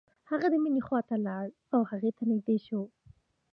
هغه د مينې خواته لاړ او هغې ته نږدې شو.